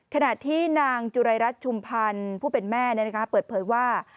ขณะที่นางจุรายรัฐชุมพันธ์ผู้เป็นแม่เปิดเผยว่า